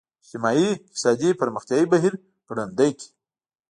اجتماعي اقتصادي پرمختیايي بهیر ګړندی کړي.